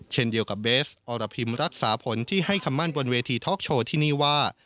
เช่นเดียวกับเบสอรพิมรักษาผลที่ให้คำมั่นบนเวทีท็อกโชว์ที่นี่ว่า